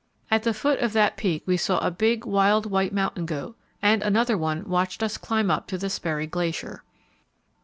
At the foot of that Peak we saw a big, wild white mountain goat: and another one watched us climb up to the Sperry Glacier.